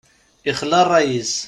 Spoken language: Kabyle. Ixla ṛṛay-is.